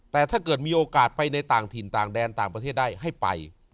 แต่ถ้าเกิดมีโอกาสไปในต่างถิ่นต่างแดนต่างประเทศได้ให้ไป